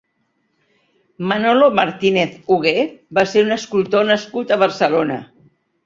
Manolo Martínez Hugué va ser un escultor nascut a Barcelona.